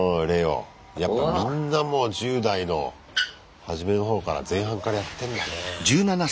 やっぱみんなもう１０代のはじめのほうから前半からやってんだね。